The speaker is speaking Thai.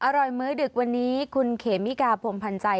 อร่อยมื้อดึกวันนี้คุณเขมิกาพวงพันใจ